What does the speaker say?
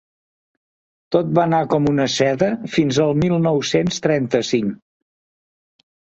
Tot va anar com una seda fins al mil nou-cents trenta-cinc.